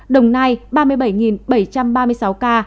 đồng nai ba mươi bảy bảy trăm ba mươi sáu ca